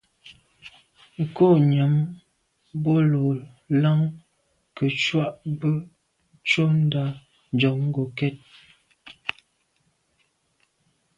Nkô nyam bo làn ke ntshùa bwe ntsho ndà njon ngokèt.